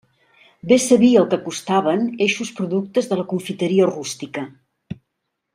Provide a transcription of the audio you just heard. Bé sabia el que costaven eixos productes de la confiteria rústica.